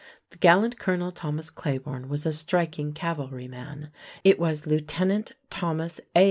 The gallant colonel Thomas Claiborne was a striking cavalryman. It was Lieutenant Thomas A.